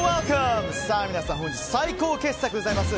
本日皆さん最高傑作でございます。